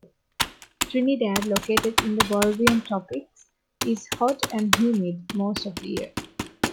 Trinidad, located in the Bolivian tropics, is hot and humid most of the year.